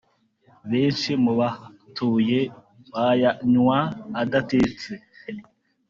Benshi mu bahatuye bayanywa adatetse